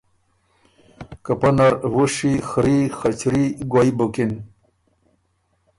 که پۀ نر وُشی، خري، خچِرئ، ګوئ بُکِن